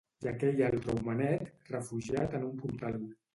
I aquell altre homenet, refugiat en un portal